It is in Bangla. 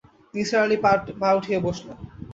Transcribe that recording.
নিসার আলি পা উঠিয়ে বসলেন।